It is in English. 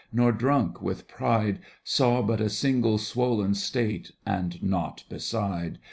Nor, drunk with pride. Saw but a single swollen State And naught beside.